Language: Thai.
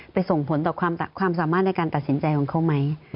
ส่งผลต่อความสามารถในการตัดสินใจของเขาไหม